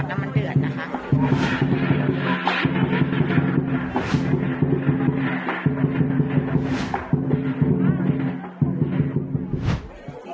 พี่ยากงจะอนุญาตให้ให้การอาบน้ำมันเดือดนะคะ